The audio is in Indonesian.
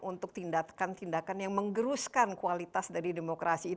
untuk tindakan tindakan yang menggeruskan kualitas dari demokrasi itu